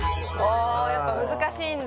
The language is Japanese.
おやっぱ難しいんだ。